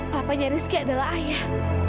bapaknya rizky adalah ayah